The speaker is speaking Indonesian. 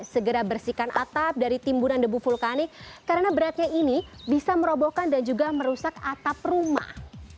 segera bersihkan atap dari timbunan debu vulkanik karena beratnya ini bisa merobohkan dan juga merusak atap rumah